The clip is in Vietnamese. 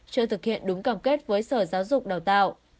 chưa thực hiện đúng cam kết với sở giáo dục đào tạo